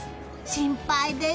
心配です。